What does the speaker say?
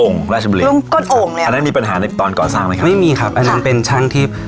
ราชบุรีองค์ก้นโอ่งเลยอันนั้นมีปัญหาในตอนก่อสร้างไหมครับไม่มีครับอันนั้นเป็นช่างที่